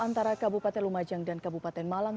antara kabupaten lumajang dan kabupaten malang